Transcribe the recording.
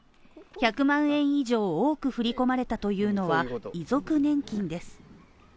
１００万円以上多く振り込まれたというのは遺族年金です。